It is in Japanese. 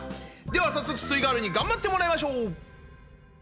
では早速すイガールに頑張ってもらいましょう！